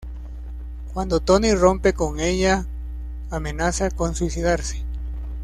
Cuando Tony rompe con ella, amenaza con suicidarse.